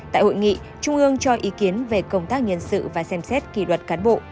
tại hội nghị trung ương cho ý kiến về công tác nhân sự và xem xét kỷ luật cán bộ